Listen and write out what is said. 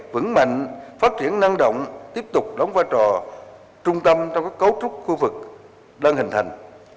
vững mạnh phát triển năng động tiếp tục đóng vai trò trung tâm trong các cấu trúc khu vực đang hình thành